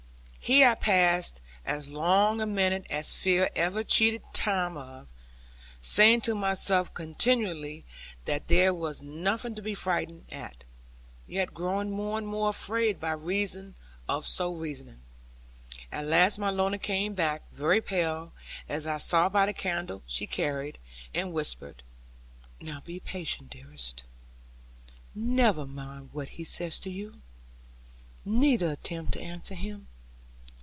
Here I passed as long a minute as fear ever cheated time of, saying to myself continually that there was nothing to be frightened at, yet growing more and more afraid by reason of so reasoning. At last my Lorna came back very pale, as I saw by the candle she carried, and whispered, 'Now be patient, dearest. Never mind what he says to you; neither attempt to answer him.